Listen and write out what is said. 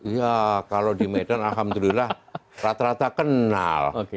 ya kalau di medan alhamdulillah rata rata kenal